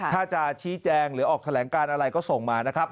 ถ้าจะชี้แจงหรือออกแถลงการอะไรก็ส่งมานะครับ